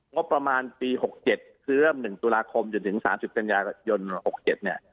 งบประมาณปี๖๗คือเริ่ม๑ตุลาคมจนถึง๓๐กันยายน๖๗เนี่ย